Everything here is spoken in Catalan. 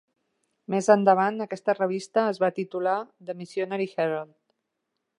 Més endavant, aquesta revista es va titular "The Missionary Herald".